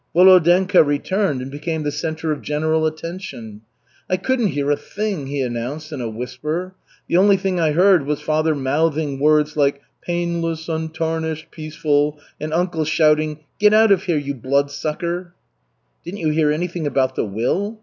Volodenka returned and became the center of general attention. "I couldn't hear a thing," he announced in a whisper, "the only thing I heard was father mouthing words like 'painless, untarnished, peaceful,' and uncle shouting, 'Get out of here, you Bloodsucker!'" "Didn't you hear anything about the will?"